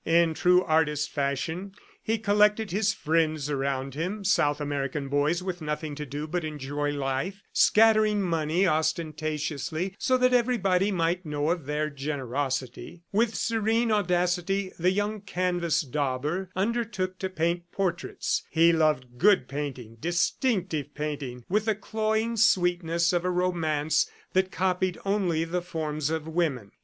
In true artist fashion, he collected his friends around him, South American boys with nothing to do but enjoy life, scattering money ostentatiously so that everybody might know of their generosity. With serene audacity, the young canvas dauber undertook to paint portraits. He loved good painting, "distinctive" painting, with the cloying sweetness of a romance, that copied only the forms of women.